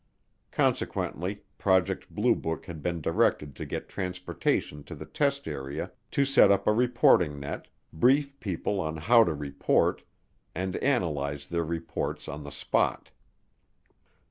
Consequently Project Blue Book had been directed to get transportation to the test area to set up a reporting net, brief people on how to report, and analyze their reports on the spot.